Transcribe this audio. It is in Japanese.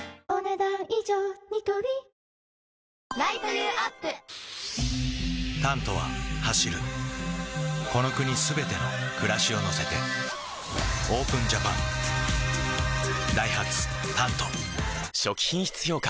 Ｎｏ．１「タント」は走るこの国すべての暮らしを乗せてＯＰＥＮＪＡＰＡＮダイハツ「タント」初期品質評価